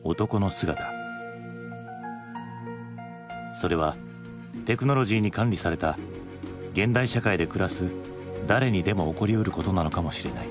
それはテクノロジーに管理された現代社会で暮らす誰にでも起こりうることなのかもしれない。